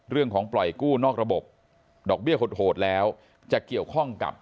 ปล่อยกู้นอกระบบดอกเบี้ยโหดแล้วจะเกี่ยวข้องกับ